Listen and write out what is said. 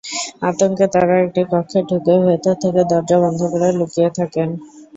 আতঙ্কে তাঁরা একটি কক্ষে ঢুকে ভেতর থেকে দরজা বন্ধ করে লুকিয়ে থাকেন।